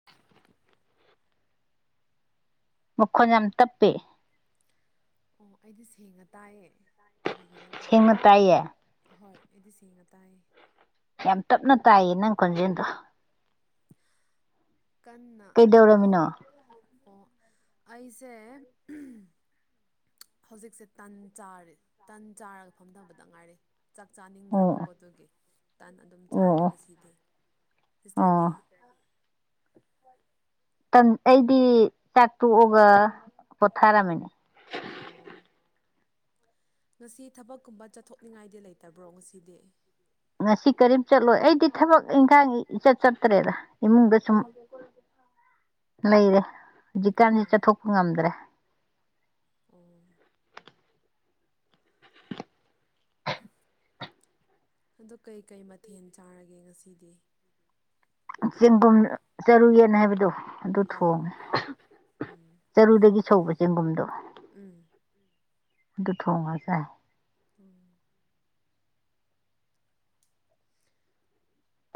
ꯑ [inaudible] ꯃꯈꯣꯟ ꯌꯥꯝ ꯇꯞꯄꯦ ꯑꯣ ꯑꯩꯗꯤ ꯁꯦꯡꯅ ꯇꯥꯏꯌꯦ ꯀꯔꯤꯒꯤꯔꯀꯣ ꯁꯦꯡꯅ ꯇꯥꯏꯌꯦ ꯑꯍꯣꯏ ꯑꯩꯗꯤ ꯁꯦꯡꯅ ꯇꯥꯏ ꯌꯥꯝ ꯇꯞꯅ ꯇꯥꯏꯌꯦ ꯅꯪ ꯈꯣꯟꯖꯦꯜꯗꯣ ꯀꯟꯅ ꯍꯧ ꯀꯩꯗꯧꯔꯝꯃꯤꯅꯣ ꯑꯣ ꯑꯩꯁꯦ ꯍꯧꯖꯤꯛꯁꯦ ꯇꯟ ꯆꯥꯔꯦ ꯇꯟ ꯆꯥꯔꯒ ꯐꯝꯗꯕꯗ ꯉꯥꯏꯔꯦ ꯆꯥꯛ ꯑꯣ ꯆꯥꯅꯤꯡꯗ꯭ꯔꯕꯀꯣ ꯑꯗꯨꯒꯤ ꯇꯟ ꯑꯗꯨꯝ ꯆꯥꯔꯦ ꯑꯣ ꯉꯁꯤꯗꯤ ꯑꯣ ꯁꯤꯁꯇꯔ ꯗꯤ ꯑꯩꯗꯤ ꯆꯥꯛ ꯇꯣꯛꯑꯒ ꯄꯣꯊꯥꯔꯝꯃꯤꯅꯦ ꯑꯣ ꯉꯁꯤ ꯊꯕꯛꯀꯨꯝꯕ ꯆꯠꯊꯣꯛꯅꯤꯡꯉꯥꯏꯗꯤ ꯂꯩꯇꯕ꯭ꯔꯣ ꯉꯁꯤꯗꯤ ꯉꯁꯤ ꯀꯔꯤꯝ ꯆꯠꯂꯣꯏ ꯑꯩꯗꯤ ꯊꯕꯛ ꯏꯪꯈꯥꯡ ꯏꯆꯠ ꯆꯠꯇ꯭ꯔꯦꯗ ꯏꯃꯨꯡꯗ ꯁꯨꯝ ꯑꯣ ꯂꯩꯔꯦ ꯑꯣ ꯍꯧꯖꯤꯛꯀꯥꯟꯁꯤ ꯆꯠꯊꯣꯛꯄ ꯉꯝꯗ꯭ꯔꯦ ꯑꯣ ꯑꯗꯣ ꯀꯩꯀꯩ ꯃꯊꯦꯜ ꯆꯥꯔꯒꯦ ꯉꯁꯤꯗꯤ ꯆꯦꯡꯒꯨꯝ ꯆꯔꯨ ꯌꯦꯟ ꯍꯥꯏꯕꯗꯣ ꯑꯗꯨ ꯑꯥꯎ ꯊꯣꯡꯉꯦ ꯆꯔꯨꯗꯒꯤ ꯁꯧꯕ ꯆꯦꯡꯒꯨꯝꯗꯣ ꯎꯝ ꯑꯗꯨ ꯊꯣꯡꯉꯥ ꯆꯥꯏ ꯎꯝ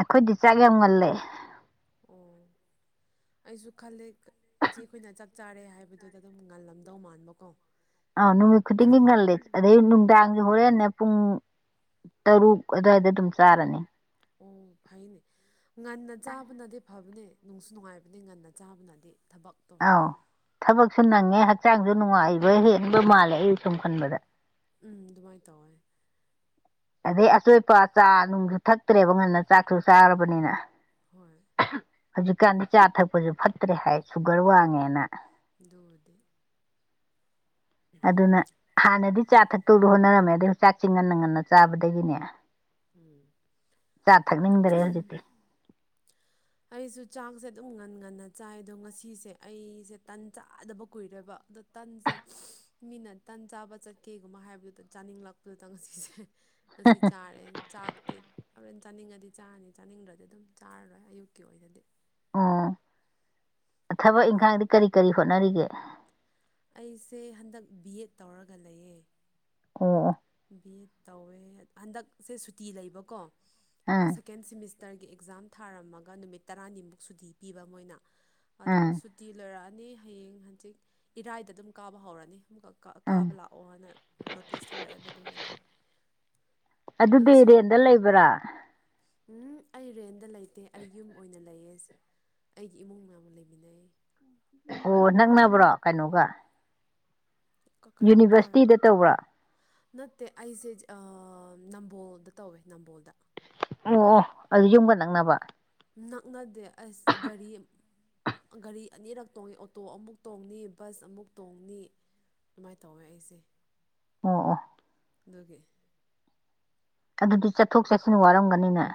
ꯑꯈꯣꯏꯗꯤ ꯆꯥꯛ ꯌꯥꯝ ꯉꯜꯂꯦ ꯑꯣ ꯑꯩꯁꯨ ꯈꯜꯂꯦ ꯏꯆꯦꯈꯣꯏꯅ ꯆꯥꯛ ꯆꯥꯔꯦ ꯍꯥꯏꯕꯗꯨꯗ ꯑꯗꯨꯝ ꯉꯜꯂꯝꯗꯧ ꯃꯥꯟꯕꯀꯣ ꯑ ꯅꯨꯃꯤꯠ ꯈꯨꯗꯤꯡꯒꯤ ꯉꯜꯂꯦ ꯑꯗꯩ ꯅꯨꯡꯗꯥꯡꯖꯨ ꯍꯣꯔꯦꯟꯅꯦ ꯄꯨꯡ ꯇꯔꯨꯛ ꯑꯗꯥꯏꯗ ꯗꯨꯝ ꯆꯥꯔꯅꯤ ꯎꯝ ꯐꯩꯅꯦ ꯉꯟꯅ ꯆꯥꯕꯅꯗꯤ ꯐꯕꯅꯦ ꯅꯨꯡꯁꯨ ꯅꯨꯡꯉꯥꯏꯕꯅꯤ ꯉꯟꯅ ꯆꯥꯕꯅꯗꯤ ꯊꯕꯛ ꯑ ꯊꯕꯛꯁꯨ ꯅꯪꯉꯦ ꯍꯛꯆꯥꯡꯁꯨ ꯅꯨꯡꯉꯥꯏꯕ ꯍꯦꯟꯕ ꯃꯥꯜꯂꯦ ꯑꯩꯅ ꯁꯨꯝ ꯈꯟꯕꯗ ꯎꯝ ꯗꯨꯃꯥꯏꯅ ꯇꯧꯋꯦ ꯑꯗꯩꯩ ꯑꯆꯣꯏ ꯏꯄꯥ ꯆꯥ ꯅꯨꯡꯁꯨ ꯊꯛꯇ꯭ꯔꯦꯕ ꯉꯟꯅ ꯆꯥꯛꯁꯨ ꯆꯥꯔꯕꯅꯤꯅ ꯍꯣꯏ ꯍꯧꯖꯤꯛꯀꯥꯟꯗꯤ ꯆꯥ ꯊꯛꯄꯁꯨ ꯐꯠꯇ꯭ꯔꯦ ꯍꯥꯏ ꯁꯨꯒꯔ ꯋꯥꯡꯉꯦꯅ ꯗꯨꯕꯨꯗꯤ ꯑꯗꯨꯅ ꯍꯥꯟꯅꯗꯤ ꯆꯥ ꯊꯛꯇꯧꯗ ꯍꯣꯠꯅꯔꯝꯃꯦ ꯑꯗꯩ ꯆꯥꯛꯁꯦ ꯉꯟꯅ ꯉꯟꯅ ꯆꯥꯕꯗꯒꯤꯅꯦ ꯎꯝ ꯆꯥ ꯊꯛꯅꯤꯡꯗꯔꯦ ꯍꯧꯖꯤꯛꯇꯤ ꯑꯩꯁꯨ ꯆꯥꯛꯁꯦ ꯑꯗꯨꯝ ꯉꯟ ꯉꯟꯅ ꯆꯥꯏ ꯑꯗꯣ ꯉꯁꯤꯁꯦ ꯑꯩꯁꯦ ꯇꯟ ꯆꯥꯗꯕ ꯀꯨꯏꯔꯦꯕ ꯑꯗꯣ ꯇꯟꯁꯦ ꯃꯤꯅ ꯇꯟ ꯆꯥꯕ ꯆꯠꯀꯦꯒꯨꯝꯕ ꯍꯥꯏꯕꯗꯨꯗ ꯆꯥꯅꯤꯡꯂꯛꯄꯗꯨꯗ ꯉꯁꯤꯁꯦ ꯉꯁꯤ ꯆꯥꯔꯦ ꯆꯥꯛꯇꯤ ꯍꯣꯔꯦꯟ ꯆꯥꯅꯤꯡꯉꯗꯤ ꯆꯥꯔꯅꯤ ꯆꯥꯅꯤꯡꯗ꯭ꯔꯗꯤ ꯑꯗꯨꯝ ꯆꯥꯔꯔꯣꯏ ꯑꯌꯨꯛ ꯀꯤ ꯑꯣꯏꯅꯗꯤ ꯑꯣ ꯊꯕꯛ ꯏꯟꯈꯥꯡꯗꯤ ꯀꯔꯤ ꯀꯔꯤ ꯍꯣꯠꯅꯔꯤꯒꯦ ꯑꯩꯁꯦ ꯍꯟꯗꯛ ꯕꯤ ꯑꯦꯠ ꯇꯧꯔꯒ ꯂꯩꯌꯦ ꯑꯣ ꯑꯣ ꯕꯤ ꯑꯦꯠ ꯇꯧꯋꯦ ꯍꯟꯗꯛꯁꯦ ꯁꯨꯇꯤ ꯂꯩꯕꯀꯣ ꯑꯥ ꯁꯦꯀꯦꯟ ꯁꯦꯃꯤꯁꯇꯔꯒꯤ ꯑꯦꯛꯖꯥꯝ ꯊꯥꯔꯝꯃꯒ ꯅꯨꯃꯤꯠ ꯇꯔꯥꯅꯤꯃꯨꯛ ꯁꯨꯇꯤ ꯄꯤꯕ ꯃꯣꯏꯅ ꯑꯗꯣ ꯑꯥ ꯇꯤ ꯂꯣꯏꯔꯛꯑꯅꯤ ꯍꯌꯦꯡ ꯍꯪꯖꯤꯛ ꯏꯔꯥꯏꯗ ꯑꯗꯨꯝ ꯀꯥꯕ ꯍꯧꯔꯅꯤ ꯑꯃꯨꯛꯀꯛ ꯀꯥ ꯑꯥ ꯀꯥꯕ ꯂꯥꯛꯑꯣ ꯍꯥꯏꯅ ꯅꯣꯇꯤꯁ ꯊꯣꯛꯂꯛꯑꯦꯕ ꯑꯗꯨ ꯑꯗꯨꯗꯤ ꯁꯣꯝ ꯔꯦꯟꯗ ꯂꯩꯕ꯭ꯔꯥ ꯎꯝ ꯑꯩ ꯔꯦꯟꯗ ꯂꯩꯇꯦ ꯑꯩ ꯌꯨꯝ ꯑꯣꯏꯅ ꯂꯩꯌꯦ ꯑꯩꯒꯤ ꯏꯃꯨꯡ ꯃꯌꯥꯝꯒ ꯂꯩꯃꯤꯟꯅꯩ ꯑꯣ ꯅꯛ ꯅꯕꯔꯣ ꯀꯩꯅꯣꯒ ꯀ ꯀꯔꯝ ꯀꯔꯝ ꯌꯨꯅꯤꯚꯔꯁꯤꯇꯤꯗ ꯇꯧꯕ꯭ꯔꯣ ꯅꯠꯇꯦ ꯑꯩꯁꯦ ꯅꯝꯕꯣꯜꯗ ꯇꯧꯋꯦ ꯅꯝꯕꯣꯜꯗ ꯑꯣ ꯑꯣ ꯑꯗꯨ ꯌꯨꯝꯒ ꯅꯛꯅꯕ ꯅꯛꯅꯗꯦ ꯑꯁ ꯒꯥꯔꯤ ꯒꯥꯔꯤ ꯑꯅꯤꯔꯛ ꯇꯣꯡꯏ ꯑꯣꯇꯣ ꯑꯃꯨꯛ ꯇꯣꯡꯅꯤ ꯕꯁ ꯑꯃꯨꯛ ꯇꯣꯡꯅꯤ ꯑꯗꯨꯃꯥꯏꯅ ꯇꯧꯋꯦ ꯑꯩꯁꯦ ꯑꯣ ꯑꯣ ꯑꯗꯨꯒꯤ ꯑꯗꯨꯗꯤ ꯆꯠꯊꯣꯛ ꯆꯠꯁꯤꯟ ꯋꯥꯔꯝꯒꯅꯤꯅꯦ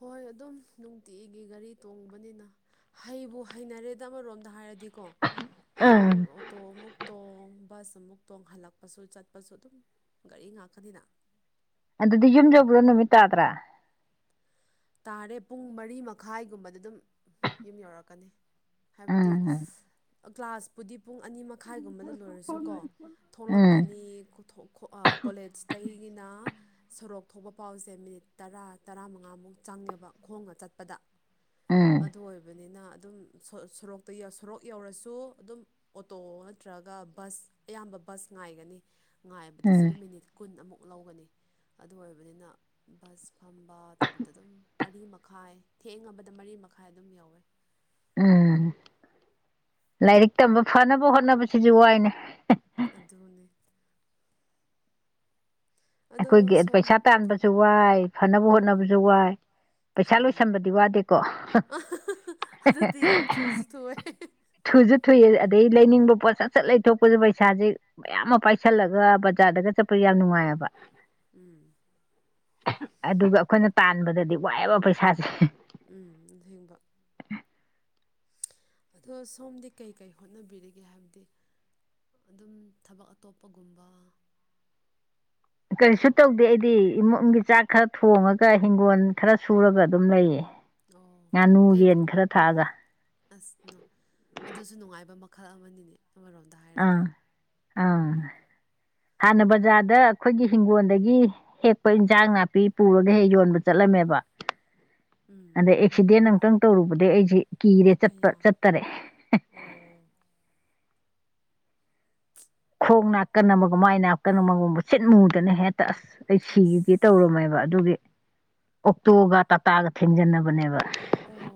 ꯍꯣꯏ ꯑꯗꯨꯝ ꯅꯨꯡꯇꯤꯒꯤ ꯒꯥꯔꯤ ꯇꯣꯡꯕꯅꯤꯅ ꯍꯩꯕꯨ ꯍꯩꯅꯔꯦꯗ ꯑꯃꯔꯣꯝꯗ ꯍꯥꯏꯔꯗꯤꯀꯣ ꯑꯗꯨꯝ ꯎꯝ ꯑꯣꯇꯣ ꯑꯃꯨꯛ ꯇꯣꯡ ꯕꯁ ꯑꯃꯨꯛ ꯇꯣꯡ ꯍꯜꯂꯛꯄꯁꯨ ꯆꯠꯄꯁꯨ ꯑꯗꯨꯝ ꯒꯥꯔꯤ ꯉꯥꯛꯀꯅꯤꯅ ꯑꯗꯨꯗꯤ ꯌꯨꯝ ꯌꯧꯕꯗ ꯅꯨꯃꯤꯠ ꯇꯥꯗ꯭ꯔꯥ ꯇꯥꯔꯦ ꯄꯨꯡ ꯃꯔꯤ ꯃꯈꯥꯏꯒꯨꯝꯕꯗ ꯑꯗꯨꯝ ꯌꯨꯝ ꯌꯧꯔꯛꯀꯅꯤ ꯍꯥꯏꯕꯗꯤ ꯎꯝ ꯑ ꯀ꯭ꯂꯥꯁꯄꯨꯗꯤ ꯄꯨꯡ ꯑꯅꯤ ꯃꯛ ꯇꯪꯈꯥꯏꯒꯨꯝꯕꯗ ꯂꯣꯏꯔꯁꯨꯀꯣ ꯎꯝ ꯊꯣꯛꯂꯛꯀꯅꯤ ꯀꯣꯂꯦꯖꯇꯒꯤꯅ ꯁꯣꯔꯣꯛ ꯊꯣꯛꯄ ꯄꯥꯎꯁꯦ ꯃꯤꯅꯤꯠ ꯇꯔꯥ ꯇꯔꯥꯃꯉꯥꯃꯨꯛ ꯆꯪꯉꯦꯕ ꯈꯣꯡꯅꯥ ꯆꯠꯄꯗ ꯎꯝ ꯑꯗꯨ ꯑꯣꯏꯕꯅꯤꯅ ꯑꯗꯨꯝ ꯁꯣ ꯁꯨꯔꯣꯛꯇ ꯌꯧ ꯁꯣꯔꯣꯛ ꯌꯧꯔꯁꯨ ꯑꯗꯨꯝ ꯑꯣꯇꯣ ꯅꯠꯇ꯭ꯔꯒ ꯕꯁ ꯑꯌꯥꯝꯕ ꯕꯁ ꯉꯥꯏꯒꯅꯤ ꯉꯥꯏꯕꯗꯨꯁꯨ ꯎꯝ ꯑꯗꯨꯝ ꯃꯤꯅꯤꯠ ꯀꯨꯟ ꯑꯃꯨꯛ ꯂꯧꯒꯅꯤ ꯑꯗꯨ ꯑꯣꯏꯕꯅꯤꯅ ꯕꯁ ꯐꯝꯕ ꯇꯧꯕ ꯇꯗꯨꯝ ꯃꯔꯤ ꯃꯈꯥꯏ ꯊꯦꯡꯉꯕꯗ ꯃꯔꯤ ꯃꯈꯥꯏ ꯑꯗꯨꯝ ꯌꯧꯋꯦ ꯎꯝ ꯂꯥꯏꯔꯤꯛ ꯇꯝꯕ ꯐꯅꯕ ꯍꯣꯠꯅꯕꯁꯤꯁꯨ ꯋꯥꯏꯅꯦ ꯑꯗꯨꯅꯦ ꯑꯗꯣ ꯑꯩꯈꯣꯏꯒꯤ ꯁꯣꯝ ꯄꯩꯁꯥ ꯇꯥꯟꯕꯁꯨ ꯋꯥꯏ ꯐꯅꯕ ꯍꯣꯠꯅꯕꯖꯨ ꯋꯥꯏ ꯄꯩꯁꯥ ꯆꯨꯝꯃꯦ ꯂꯣꯏꯁꯟꯕꯗꯤ ꯋꯥꯗꯦꯀꯣ ꯑꯗꯨꯗꯤ ꯌꯥꯝ ꯊꯨꯁꯨ ꯊꯨꯑꯦ ꯊꯨꯁꯨ ꯊꯨꯏ ꯑ ꯑꯗꯩ ꯂꯩꯅꯤꯡꯕ ꯄꯣꯠ ꯁꯠ ꯁꯠ ꯂꯩꯊꯣꯛꯄꯁꯨ ꯄꯩꯁꯥꯥꯁꯦ ꯃꯌꯥꯝ ꯑꯃ ꯄꯥꯏꯁꯜꯂꯒ ꯕꯖꯥꯔꯗꯒ ꯆꯠꯄ ꯌꯥꯝ ꯅꯨꯡꯉꯥꯏꯑꯦꯕ ꯎꯝ ꯑꯗꯨꯒ ꯑꯈꯣꯏꯅ ꯇꯥꯟꯕꯗꯗꯤ ꯋꯥꯏꯑꯦꯕ ꯄꯩꯁꯥꯁꯦ ꯎꯝ ꯑꯁꯦꯡꯕ ꯑꯗꯣ ꯁꯣꯝꯗꯤ ꯀꯩ ꯀꯩ ꯍꯣꯠꯅꯕꯤꯔꯤꯒꯦ ꯍꯥꯏꯕꯗꯤ ꯑꯗꯨꯝ ꯊꯕꯛ ꯑꯇꯣꯞꯄ ꯒꯨꯝꯕ ꯀꯔꯤꯁꯨ ꯇꯧꯗꯦ ꯑꯩꯗꯤ ꯏꯃꯨꯡꯒꯤ ꯆꯥꯛ ꯈꯔ ꯊꯣꯡꯉꯒ ꯍꯤꯡꯒꯣꯜ ꯈꯔ ꯁꯨꯔꯒ ꯑꯗꯨꯝ ꯂꯩꯌꯦ ꯑꯣ ꯉꯥꯅꯨ ꯀꯩ ꯌꯦꯟ ꯈꯔ ꯊꯥꯛꯑꯒ ꯑꯁ ꯅꯣ ꯑꯗꯨꯁꯨ ꯅꯨꯡꯉꯥꯏꯕ ꯃꯈꯜ ꯑꯃꯅꯤꯅꯦ ꯑꯃꯔꯣꯝ ꯑꯥ ꯑꯥ ꯍꯥꯟꯅ ꯕꯖꯥꯔꯗ ꯑꯩꯈꯣꯏꯒꯤ ꯍꯤꯡꯒꯣꯜꯗꯒꯤ ꯍꯦꯛꯄ ꯏꯟꯁꯥꯡ ꯅꯥꯄꯤ ꯄꯨꯔꯒ ꯍꯦꯛ ꯌꯣꯟꯕ ꯆꯠꯂꯝꯃꯦꯕ ꯎꯝ ꯑꯗꯩ ꯑꯦꯛꯁꯤꯗꯦꯟ ꯑꯃꯨꯛꯇꯪ ꯇꯧꯔꯨꯕꯗꯒꯤ ꯑꯩꯁꯦ ꯀꯤꯔꯦ ꯆꯠꯄ ꯑꯌꯥ ꯆꯠꯇꯔꯦ ꯑꯣ [unintelligible] ꯀꯣꯛ ꯅꯥꯀꯟ ꯑꯃꯒ ꯃꯥꯏ ꯅꯥꯀꯟ ꯑꯃꯒꯕ ꯃꯨꯁꯤꯠ ꯃꯨꯗꯅ ꯍꯦꯛꯇ ꯑꯁ ꯑꯩ ꯁꯤꯒꯦ ꯑꯁ ꯇꯧꯔꯝꯃꯦꯕ ꯑꯗꯨꯒꯤ ꯑꯣꯛꯇꯣꯒ ꯇꯥꯇꯥꯒ ꯊꯦꯡꯖꯟꯅꯕꯅꯦꯕ ꯑꯣ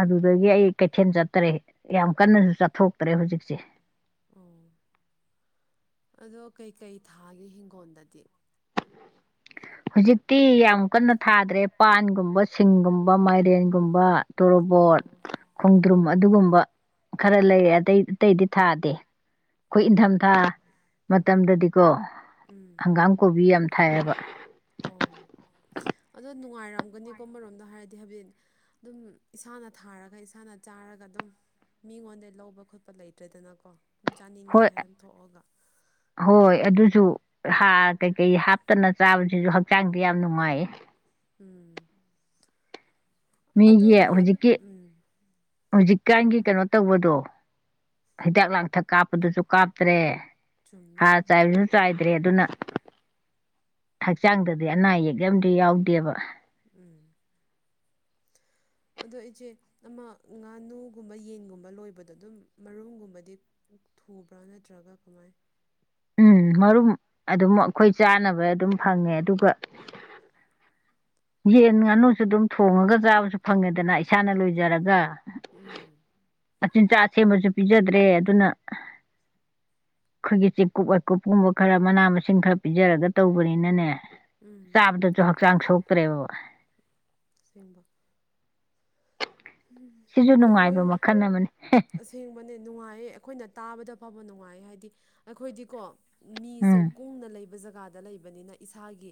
ꯑꯗꯨꯗꯒꯤ ꯑꯩ ꯀꯩꯊꯦꯜ ꯆꯠꯇ꯭ꯔꯦ ꯌꯥꯝ ꯀꯟꯅꯁꯨ ꯆꯠꯊꯣꯛꯇ꯭ꯔꯦ ꯍꯧꯖꯤꯛꯁꯦ ꯑꯣ ꯑꯗꯣ ꯀꯩ ꯀꯩ ꯊꯥꯒꯦ ꯍꯤꯡꯈꯣꯟꯗꯗꯤ ꯍꯨꯖꯤꯛꯇꯤ ꯌꯥꯝ ꯀꯟꯅ ꯊꯥꯗ꯭ꯔꯦ ꯄꯥꯟꯒꯨꯝꯕ ꯁꯤꯡꯒꯨꯝꯕ ꯃꯥꯏꯔꯦꯟꯒꯨꯝꯕ ꯇꯣꯔꯣꯕꯣꯠ ꯑꯣ ꯈꯣꯡꯗ꯭ꯔꯨꯝ ꯑꯗꯨꯒꯨꯝꯕ ꯈꯔ ꯂꯩ ꯑꯇꯩ ꯑꯇꯩꯗꯤ ꯊꯥꯗꯦ ꯈꯣꯏ ꯏꯟꯊꯝꯊꯥ ꯃꯇꯝꯗꯗꯤꯀꯣ ꯎꯝ ꯍꯪꯒꯥꯝ ꯀꯣꯕꯤ ꯌꯥꯝ ꯊꯥꯏꯌꯦꯕ ꯑꯣ ꯑꯗꯣ ꯅꯨꯡꯉꯥꯏꯔꯝꯒꯅꯤꯀꯣ ꯑꯃꯥꯔꯣꯝꯗ ꯍꯥꯏꯔꯗꯤ ꯍꯥꯏꯐꯦꯠ ꯑꯗꯨꯝ ꯏꯁꯥꯅ ꯊꯥꯔꯒ ꯏꯁꯥꯅ ꯆꯥꯔꯒ ꯑꯗꯨꯝ ꯃꯤꯉꯣꯟꯗꯩ ꯂꯧꯕ ꯈꯣꯠꯄ ꯂꯩꯇ꯭ꯔꯦꯗꯅꯀꯣ ꯁꯨꯝ ꯍꯣꯏ ꯆꯥꯅꯤꯡꯉꯦ ꯍꯥꯏꯅ ꯊꯣꯛꯑꯒ ꯍꯣꯏ ꯑꯗꯨꯁꯨ ꯍꯥꯔ ꯀꯩ ꯀꯩ ꯍꯥꯞꯇꯅ ꯆꯥꯕꯖꯤꯖꯨ ꯍꯛꯆꯥꯡꯗꯤ ꯌꯥꯝ ꯅꯨꯡꯉꯥꯏꯌꯦ ꯎꯝ ꯑꯗꯣ ꯃꯤꯒꯤ ꯌꯦꯟ ꯍꯨꯖꯤꯛꯀꯤ ꯎꯝ ꯍꯨꯖꯤꯛ ꯀꯥꯟꯒꯤ ꯍꯥꯏꯔꯣ ꯀꯩꯅꯣ ꯇꯧꯕꯗꯣ ꯍꯤꯗꯥꯛ ꯂꯥꯡꯊꯛ ꯀꯥꯞꯄꯗꯨꯁꯨ ꯀꯥꯞꯇ꯭ꯔꯦ ꯆꯨꯝꯃꯦ ꯍꯥꯔ ꯆꯥꯏꯕꯁꯨ ꯆꯥꯏꯗ꯭ꯔꯦ ꯑꯗꯨꯅ ꯍꯛꯆꯥꯡꯗꯗꯤ ꯑꯅꯥ ꯑꯌꯦꯛ ꯌꯥꯝꯗꯤ ꯌꯥꯎꯗꯦꯕ ꯎꯝ ꯑꯗꯣ ꯏꯆꯦ ꯑꯃ ꯉꯥꯅꯨꯒꯨꯝꯕ ꯌꯦꯟꯒꯨꯝꯕ ꯂꯣꯏꯕꯗꯣ ꯑꯗꯨꯝ ꯃꯔꯨꯝ ꯒꯨꯝꯕꯗꯤ ꯎ ꯊꯨꯕ꯭ꯔꯥ ꯅꯠꯇ꯭ꯔꯒ ꯀꯃꯥꯏ ꯎꯝ ꯃꯔꯨꯝ ꯑꯗꯨꯝ ꯑꯈꯣꯏ ꯆꯥꯅꯕ ꯑꯗꯨꯝ ꯐꯪꯉꯦ ꯑꯗꯨꯒ ꯌꯦꯟ ꯉꯥꯅꯨꯁꯨ ꯑꯗꯨꯝ ꯊꯣꯡꯉꯒ ꯆꯥꯕꯁꯨ ꯐꯪꯉꯦꯗꯅ ꯏꯁꯥꯅ ꯂꯣꯏꯖꯔꯒ ꯎꯝ ꯃꯆꯤꯟꯖꯥꯛ ꯁꯦꯝꯕꯁꯨ ꯄꯤꯖꯗ꯭ꯔꯦ ꯑꯗꯨꯅ ꯑꯩꯈꯣꯏꯒꯤ ꯆꯤꯞ ꯀꯨꯞ ꯋꯥꯏꯀꯨꯞ ꯀꯨꯝꯕ ꯈꯔ ꯃꯅꯥ ꯃꯁꯤꯡ ꯈꯔ ꯄꯤꯖꯔꯒ ꯇꯧꯕꯅꯤꯅꯅꯦ ꯎꯝ ꯆꯥꯕꯗꯁꯨ ꯍꯛꯆꯥꯡ ꯁꯣꯛꯇ꯭ꯔꯦꯕ ꯁꯦꯡꯕ ꯁꯤꯁꯨ ꯅꯨꯡꯉꯥꯏꯕ ꯑꯩꯈꯣꯏ ꯃꯈꯜ ꯑꯃꯅꯤ ꯑꯁꯦꯡꯕꯅꯦ ꯅꯨꯡꯉꯥꯏꯌꯦ ꯑꯩꯈꯣꯏꯅ ꯇꯥꯕꯗ ꯐꯕ ꯅꯨꯡꯉꯥꯏꯌꯦ ꯍꯥꯏꯗꯤ ꯑꯩꯈꯣꯏꯗꯤꯀꯣ ꯃꯤꯁꯦ ꯎꯝ ꯀꯨꯡꯅ ꯂꯩꯕ ꯖꯒꯥꯗ ꯂꯩꯕꯅꯤꯅ ꯏꯁꯥꯒꯤ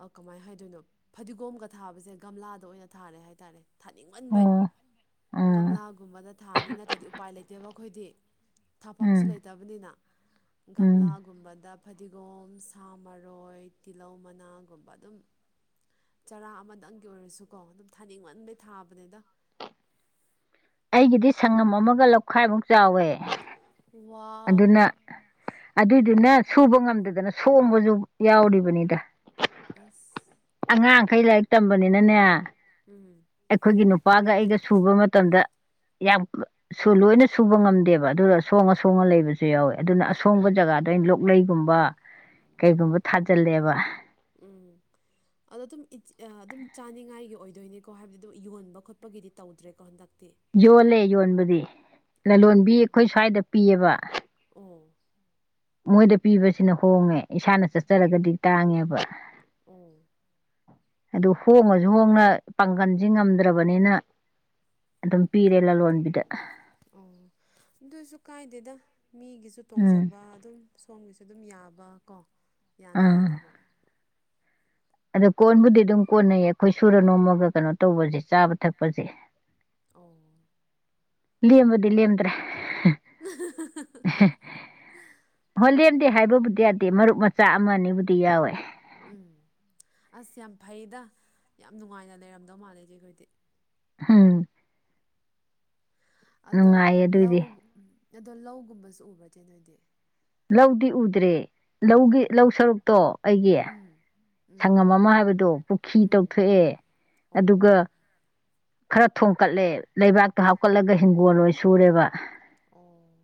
ꯑꯥ ꯀꯃꯥꯏꯅ ꯍꯥꯏꯗꯣꯏꯅꯣ ꯐꯗꯤꯒꯣꯝꯒ ꯊꯥꯕꯖꯦ ꯒꯝꯂꯥꯗ ꯑꯣꯏꯅ ꯊꯥꯔꯦ ꯍꯥꯏꯇꯥꯔꯦ ꯊꯥꯅꯤꯡꯃꯟꯕꯩ ꯑꯣ ꯎꯝ ꯒꯝꯂꯥꯒꯨꯝꯕꯗ ꯊ ꯅꯠꯇ꯭ꯔꯗꯤ ꯎꯄꯥꯏ ꯂꯩꯇꯦꯕ ꯑꯈꯣꯏꯗꯤ ꯊꯥꯐꯝꯁꯨ ꯎꯝ ꯂꯩꯇꯕꯅꯤꯅ ꯎꯝ ꯒꯝꯂꯥꯒꯨꯝꯕ ꯗ ꯐꯗꯤꯒꯣꯝ ꯁꯥ ꯃꯔꯣꯏ ꯇꯤꯜꯍꯧ ꯃꯅꯥꯒꯨꯝꯕ ꯑꯗꯨꯝ ꯆꯔꯥ ꯑꯃꯗꯪꯒꯤ ꯑꯣꯏꯔꯁꯨꯀꯣ ꯑꯗꯨꯝ ꯊꯥꯅꯤꯡꯃꯟꯕꯩ ꯊꯥꯕꯅꯤꯗ ꯑꯩꯒꯤꯗꯤ ꯁꯪꯉꯝ ꯑꯃꯒ ꯂꯧꯈꯥꯏꯃꯨꯛ ꯆꯥꯎꯋꯦ ꯋꯥꯎ ꯑꯗꯨꯅ ꯑꯗꯨꯏꯗꯨꯅ ꯁꯨꯕ ꯉꯝꯗꯗꯅ ꯁꯣꯡꯕꯁꯨ ꯌꯥꯎꯔꯤꯕꯅꯤꯗ ꯑꯁ ꯑꯉꯥꯡꯈꯩ ꯂꯥꯏꯔꯤꯛ ꯇꯝꯕꯅꯤꯅꯅꯦ ꯎꯝ ꯑꯩꯈꯣꯏꯒꯤ ꯅꯨꯄꯥꯒ ꯑꯩꯒ ꯁꯨꯕ ꯃꯇꯝꯗ ꯌꯥꯝ ꯁꯨ ꯂꯣꯏꯅ ꯁꯨꯕ ꯉꯝꯗꯦꯕ ꯑꯗꯨꯗ ꯁꯣꯡꯉ ꯁꯣꯡꯉ ꯂꯩꯕꯁꯨ ꯌꯥꯎꯋꯦ ꯑꯗꯨꯅ ꯑꯁꯣꯡꯕ ꯖꯒꯥꯗ ꯒꯤ ꯑꯩꯅ ꯂꯣꯛꯂꯩꯒꯨꯝꯕ [inaudible] ꯀꯩꯒꯨꯝꯕ ꯊꯥꯖꯤꯜꯂꯦꯕ ꯎꯝ ꯑꯗꯣ ꯑꯗꯨꯝ ꯑꯗꯨꯝ ꯆꯥꯅꯤꯡꯉꯥꯏꯒꯤ ꯑꯣꯏꯗꯣꯏꯅꯤꯀꯣ ꯍꯥꯏꯕꯗꯤ ꯑꯗꯨꯝ ꯌꯣꯟꯕ ꯈꯣꯠꯄꯒꯤꯗꯤ ꯇꯧꯗ꯭ꯔꯦꯀꯣ ꯍꯟꯗꯛꯇꯤ ꯌꯣꯜꯂꯦ ꯌꯣꯟꯕꯗꯤ ꯂꯂꯣꯟꯕꯤ ꯑꯣ ꯑꯩꯈꯣꯏ ꯁ꯭ꯋꯥꯏꯗ ꯄꯤꯌꯦꯕ ꯑꯣ ꯃꯣꯏꯗ ꯄꯤꯕꯁꯤꯅ ꯍꯣꯡꯉꯦ ꯏꯁꯥꯅ ꯆꯠꯆꯔꯒꯗꯤ ꯇꯥꯡꯉꯦꯕ ꯑꯣ ꯑꯗꯨ ꯍꯣꯡꯉꯁꯨ ꯍꯣꯡꯅ ꯄꯥꯡꯒꯟꯁꯤ ꯉꯝꯗ꯭ꯔꯕꯅꯤꯅ ꯑꯗꯨꯝ ꯄꯤꯔꯦ ꯂꯂꯣꯟꯕꯤꯗ ꯑꯣ ꯑꯗꯨꯁꯨ ꯀꯥꯏꯗꯦꯗ ꯃꯤꯒꯤꯁꯨ ꯎꯝ ꯇꯣꯡꯖꯕ ꯑꯗꯨꯝ ꯁꯣꯝꯒꯤꯁꯦ ꯑꯗꯨꯝ ꯌꯥꯕ ꯀꯣ ꯌꯥꯅ ꯑꯥ ꯌꯥꯅꯕ ꯑꯗꯣ ꯀꯣꯟꯕꯨꯗꯤ ꯑꯗꯨꯝ ꯀꯣꯟꯅꯩꯌꯦ ꯑꯈꯣꯏ ꯁꯨꯔ ꯅꯣꯝꯃꯒ ꯀꯩꯅꯣ ꯇꯧꯕꯖꯦ ꯆꯥꯕ ꯊꯛꯄꯖꯦ ꯑꯣ ꯂꯦꯝꯕꯗꯤ ꯂꯦꯝꯗ꯭ꯔꯦ [unintelligible] ꯍꯣꯂꯦꯟꯗꯤ ꯍꯥꯏꯕꯕꯨꯗꯤ ꯌꯥꯗꯦ ꯃꯔꯨꯞ ꯃꯆꯥ ꯑꯃ ꯑꯅꯤꯕꯨꯗꯤ ꯌꯥꯎꯋꯦ ꯎꯝ ꯑꯁ ꯌꯥꯝ ꯐꯩꯗ ꯌꯥꯝ ꯅꯨꯡꯉꯥꯏꯅ ꯂꯩꯔꯝꯗꯧ ꯃꯥꯜꯂꯦ ꯏꯆꯦꯈꯣꯏꯗꯤ ꯎꯝ ꯑꯗꯣ ꯅꯨꯡꯉꯥꯏꯌꯦ ꯑꯗꯨꯏꯗꯤ ꯂꯧ ꯑꯗꯣ ꯂꯧꯒꯨꯝꯕꯁꯨ ꯎꯕ꯭ꯔ ꯆꯦ ꯅꯣꯏꯗꯤ ꯂꯧꯗꯤ ꯎꯗ꯭ꯔꯦ ꯂꯧꯒꯤ ꯑꯣ ꯂꯧ ꯁꯔꯨꯛꯇꯣ ꯑꯩꯒꯤ ꯎꯝ ꯎꯝ ꯁꯪꯉꯝ ꯑꯃ ꯍꯥꯏꯕꯗꯣ ꯄꯨꯈ꯭ꯔꯤ ꯎꯝ ꯇꯧꯊꯣꯛꯑꯦ ꯑꯗꯨꯒ ꯑꯣ ꯈꯔ ꯊꯣꯡꯀꯠꯂꯦ ꯂꯩꯕꯥꯛꯇꯣ ꯍꯥꯞꯀꯠꯂꯒ ꯍꯤꯡꯒꯣꯜꯂꯣꯏ ꯁꯨꯔꯦꯕ ꯑꯣ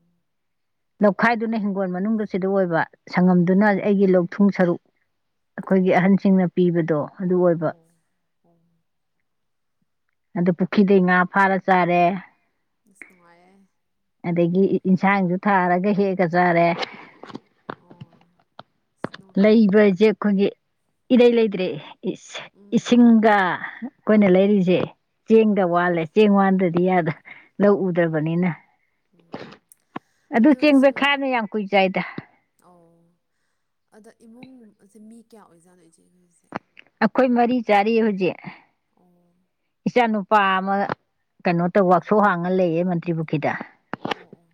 ꯂꯧꯈꯥꯏꯗꯨꯅ ꯍꯤꯡꯒꯣꯜ ꯃꯅꯨꯡꯗ ꯁꯤꯗ ꯑꯣꯏꯕ ꯁꯪꯉꯝꯗꯨꯅ ꯎꯝ ꯑꯩꯒꯤ ꯂꯧꯊꯨꯡ ꯁꯔꯨꯛ ꯑꯈꯣꯏꯒꯤ ꯑꯣ ꯑꯍꯟꯁꯤꯡꯅ ꯄꯤꯕꯗꯣ ꯑꯗꯨ ꯑꯣꯏꯕ ꯑꯣ ꯑꯣ ꯑꯗꯨ ꯄꯨꯈ꯭ꯔꯤꯗꯩ ꯉꯥ ꯐꯥꯔ ꯆꯥꯔꯦ ꯑꯁ ꯅꯨꯡꯉꯥꯏꯌꯦ ꯑꯗꯒꯤ ꯏꯟꯁꯥꯡꯖꯨ ꯊꯥꯔꯒ ꯍꯦꯛꯑꯒ ꯆꯥꯔꯦ ꯑꯣ ꯑꯁ ꯅꯨꯡ ꯂꯩꯕ ꯖꯦ ꯈꯣꯏꯒꯤ ꯏꯔꯩ ꯂꯩꯗꯔꯦ ꯏꯁꯤ ꯏꯁꯤ ꯎꯝ ꯆꯤꯡꯒ ꯑꯩꯈꯣꯏꯅ ꯂꯩꯔꯤꯁꯦ ꯆꯦꯡꯒ ꯋꯥꯜꯂꯦ ꯆꯦꯡ ꯋꯥꯟꯗ꯭ꯔꯗꯤ ꯌꯥꯗꯦ ꯂꯧ ꯎꯝ ꯎꯗ꯭ꯔꯕꯅꯤꯅ ꯎꯝ ꯑꯗꯨ ꯆꯦꯡ ꯕꯦꯛꯈꯥꯏ ꯑꯃꯅ ꯌꯥꯝ ꯀꯨꯏꯅꯥ ꯆꯥꯏꯗ ꯑꯣ ꯑꯗ ꯏꯃꯨꯡꯁꯦ ꯃꯤ ꯀꯌꯥ ꯑꯣꯏꯖꯥꯠꯅꯣ ꯏꯆꯦ ꯈꯣꯏꯁꯦ ꯑꯩꯈꯣꯏ ꯃꯔꯤ ꯆꯥꯔꯤ ꯍꯧꯖꯤꯛ ꯑꯣ ꯏꯆꯥ ꯅꯨꯨꯄꯥ ꯑꯃ ꯀꯩꯅꯣ ꯎꯝ ꯇꯧ ꯋꯥꯛꯁꯣꯞ ꯍꯥꯡꯉꯒ ꯂꯩꯌꯦ ꯃꯟꯇ꯭ꯔꯤ ꯄꯨꯈ꯭ꯔꯤꯗ ꯑꯣ ꯑꯣ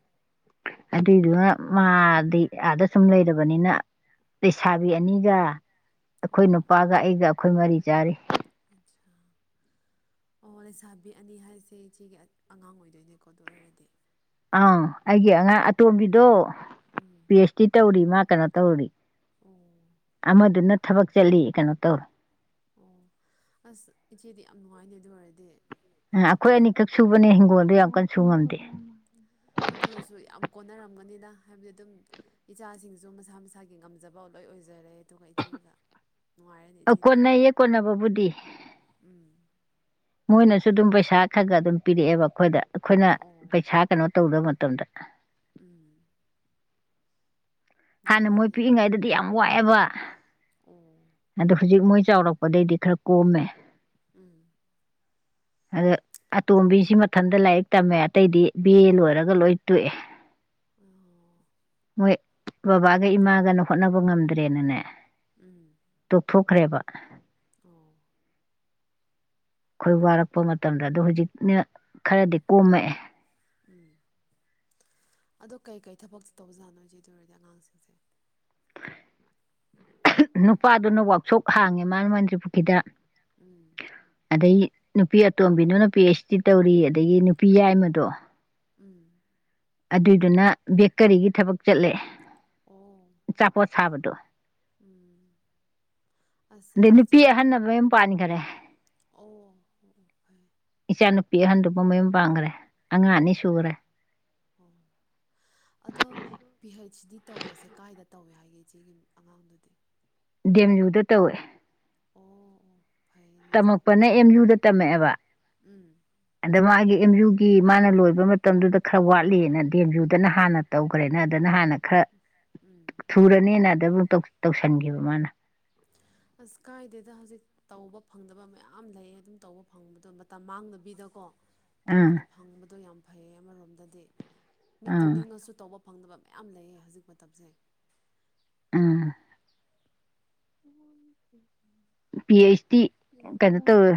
ꯑꯗꯨꯏꯗꯨꯅ ꯃꯥꯗꯤ ꯑꯥꯗ ꯁꯨꯝ ꯂꯩꯔꯕꯅꯤꯅ ꯂꯩꯁꯥꯕꯤ ꯑꯅꯤꯒ ꯑꯩꯈꯣꯏ ꯅꯨꯄꯥꯒ ꯑꯩꯒ ꯑꯩꯈꯣꯏ ꯃꯔꯤ ꯆꯥꯔꯤ ꯑꯆꯥꯥ [inaudible] ꯑꯣ ꯂꯩꯁꯥꯕꯤ ꯑꯅꯤ ꯍꯥꯏꯖꯦ ꯏꯆꯦꯒꯤ ꯑ ꯑꯉꯥꯡ ꯑꯣꯏꯗꯣꯏꯅꯦꯀꯣ ꯑꯗꯨ ꯑꯣꯏꯔꯗꯤ ꯑꯥ ꯑꯩꯒꯤ ꯑꯉꯥꯡ ꯑꯇꯣꯝꯕꯤꯗꯣ ꯎꯝ ꯑꯦꯁꯇꯤ ꯇꯧꯔꯤ ꯃꯥ ꯀꯩꯅꯣ ꯇꯧꯔꯤ ꯑꯣ ꯑꯃꯗꯨꯅ ꯊꯕꯛ ꯆꯠꯂꯤ ꯀꯩꯅꯣ ꯇꯧꯔꯣ ꯑꯣ ꯑꯁ ꯏꯆꯦꯗꯤ ꯌꯥꯝ ꯅꯨꯡꯉꯥꯏꯅꯦ ꯑꯗꯨ ꯑꯣꯏꯔꯗꯤ ꯑꯥ ꯑꯈꯣꯏ ꯍꯥꯏꯕꯗꯤ ꯑꯅꯤꯈꯛ ꯁꯨꯕꯅꯦ ꯍꯤꯡꯒꯣꯜꯗꯣ ꯌꯥꯝ ꯀꯟꯅ ꯁꯨ ꯉꯝꯗꯦ ꯑꯗꯨ ꯑꯣꯏꯔꯁꯨ ꯌꯥꯝ ꯀꯣꯟꯅꯔꯝꯒꯅꯤꯅ ꯍꯥꯏꯕꯗꯤ ꯑꯗꯨꯝ ꯏꯆꯥꯁꯤꯡꯁꯨ ꯃꯁꯥ ꯃꯁꯥꯒꯤ ꯉꯝꯖꯕ ꯂꯣꯏ ꯑꯣꯏꯖꯔꯦ ꯑꯗꯨꯒ ꯆꯦꯒ ꯅꯨꯡꯉꯥꯏꯔꯦꯅꯦ ꯏꯆꯦꯗꯤ ꯀꯣꯟꯅꯩꯌꯦ ꯀꯣꯟꯅꯕꯕꯨꯗꯤ [inaudible] ꯎꯝ ꯃꯣꯏꯅꯁꯨ ꯑꯗꯨꯝ ꯄꯩꯁꯥ ꯈ ꯒ ꯑꯗꯨꯝ ꯄꯤꯔꯛꯑꯦꯕ ꯑꯈꯣꯏꯗ ꯑꯈꯣꯏꯅ ꯑꯣ ꯄꯩꯁꯥ ꯀꯩꯅꯣ ꯇꯧꯗꯕ ꯃꯇꯝꯗ ꯎꯝ ꯍꯥꯟꯅ ꯃꯣꯏ ꯅꯨꯡꯉꯥꯏꯌꯦ ꯑꯗꯨꯗꯤ ꯄꯤꯛꯏꯉꯩꯗꯗꯤ ꯌꯥꯝ ꯋꯥꯏꯑꯦꯕ ꯑꯣ ꯑꯗꯣ ꯍꯧꯖꯤꯛ ꯃꯣꯏ ꯆꯥꯎꯔꯛꯄꯗꯩꯗꯤ ꯈꯔ ꯀꯣꯝꯃꯦ ꯎꯝ ꯑꯗ ꯑꯇꯣꯝꯕꯤꯁꯤ ꯃꯊꯟꯇ ꯂꯥꯏꯔꯤꯛ ꯇꯝꯃꯦ ꯑꯇꯩꯗꯤ ꯕꯤ ꯑꯦ ꯂꯣꯏꯔꯒ ꯂꯣꯏ ꯇꯣꯛꯑꯦ ꯑꯣ ꯃꯣꯏ ꯕꯕꯥꯒ ꯏꯃꯥꯒꯅ ꯍꯣꯠꯅꯕ ꯉꯝꯗ꯭ꯔꯦꯅꯅꯦ ꯎꯝ ꯇꯣꯛꯊꯣꯛꯈ꯭ꯔꯦꯕ ꯑꯣ ꯑꯩꯈꯣꯏ ꯋꯥꯔꯛꯄ ꯃꯇꯝꯗ ꯑꯗꯣ ꯍꯧꯖꯤꯛꯅ ꯈꯔꯗꯤ ꯀꯣꯝꯃꯛꯑꯦ ꯎꯝ ꯑꯗꯣ ꯀꯩꯀꯩ ꯊꯕꯛꯁꯦ ꯇꯧꯖꯥꯠꯅꯣ ꯏꯆꯦ ꯑꯗꯨ ꯑꯣꯏꯔꯗꯤ ꯑꯉꯥꯡꯁꯤꯡꯁꯦ ꯅꯨꯄꯥꯗꯨꯅ ꯋꯥꯛꯁꯣꯞ ꯍꯥꯡꯉꯦ ꯃꯥꯅ ꯃꯥꯟꯇ꯭ꯔꯤ ꯄꯨꯨꯈ꯭ꯔꯤꯗ ꯎꯝ ꯑꯗꯩ ꯅꯨꯄꯤ ꯑꯇꯣꯝꯕꯤꯗꯨꯅ ꯄꯤ ꯑꯩꯆ ꯗꯤ ꯇꯧꯔꯤ ꯑꯗꯒꯤ ꯅꯨꯄꯤ ꯑꯣ ꯌꯥꯏꯃꯗꯣ ꯎꯝ ꯑꯗꯨꯏꯗꯨꯅ ꯕꯦꯀꯔꯤꯒꯤ ꯊꯕꯛ ꯆꯠꯂꯦ ꯑꯣ ꯑꯥꯆꯥꯄꯣꯠ ꯁꯥꯕꯗꯣ ꯎꯝ ꯑꯁ ꯑꯗꯩ ꯑꯗꯨ ꯏꯆꯦ ꯅꯨꯄꯤ ꯑꯗꯨ ꯑꯍꯟꯅ ꯃꯌꯨꯝ ꯄꯥꯟꯈꯔꯦ [inaudible] ꯑꯣ ꯑꯣ ꯐꯔꯦ ꯏꯆꯥ ꯅꯨꯨꯄꯤ ꯑꯍꯟꯗꯨꯕꯨ ꯃꯌꯨꯝ ꯄꯥꯟꯒꯔꯦ ꯑꯣ ꯎꯝ ꯑꯗꯣ ꯄꯤ ꯍꯩꯆ ꯗꯤ ꯇꯧꯕꯁꯦ ꯀꯥꯏꯗ ꯇꯧꯋꯦ ꯍꯥꯏꯒꯦ ꯏꯆꯦꯒꯤ ꯑꯉꯥꯡꯗꯨꯗꯤ ꯗꯦꯝ ꯌꯨꯗ ꯇꯧꯋꯦ ꯑꯣ ꯑꯣ ꯐꯩ ꯑꯗꯨꯗꯤ ꯇꯝꯃꯛꯄꯅ ꯑꯦꯝ ꯌꯨꯗ ꯇꯝꯃꯛꯑꯦꯕ ꯎꯝ ꯑꯗ ꯃꯥꯒꯤ ꯑꯦꯝ ꯖꯨꯒꯤ ꯃꯥꯅ ꯂꯣꯏꯕ ꯃꯇꯝꯗꯨꯗ ꯈꯔ ꯋꯥꯠꯂꯤꯅ ꯗꯤ ꯑꯦꯝ ꯌꯨꯗꯅ ꯍꯥꯟꯅ ꯇꯧꯒꯔꯦꯅ ꯑꯗꯅ ꯍꯥꯟꯅ ꯈꯔ ꯎꯝ ꯊꯨꯔꯅꯤꯅ ꯑꯗꯕꯨꯨ ꯇꯧ ꯇꯧꯁꯟꯈꯤꯕ ꯃꯥꯅ ꯑꯁ ꯀꯥꯏꯗꯦꯗ ꯍꯧꯖꯤꯛ ꯇꯧꯕ ꯐꯪꯗꯕ ꯃꯌꯥꯝ ꯂꯩ ꯑꯗꯨꯝ ꯇꯧꯕ ꯐꯪꯕꯗꯣ ꯃꯇꯝ ꯃꯥꯡꯗꯕꯤꯗꯀꯣ ꯑꯥ ꯑꯗꯨꯃꯥꯏꯅ ꯐꯪꯕꯗꯣ ꯌꯥꯝ ꯐꯩꯌꯦ ꯑꯃꯔꯣꯝꯗꯗꯤ ꯃꯤ ꯑꯥ ꯇꯧꯅꯤꯡꯉꯁꯨ ꯇꯧꯕ ꯐꯪꯗꯕ ꯃꯌꯥꯝ ꯂꯩꯌꯦ ꯍꯧꯖꯤꯛ ꯃꯇꯝꯁꯦ ꯎꯝ ꯄꯤ ꯑꯩꯆ ꯗꯤ ꯀꯩꯅꯣ ꯇꯧꯋ